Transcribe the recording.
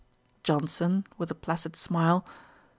JOHNSON: (with a placid smile.)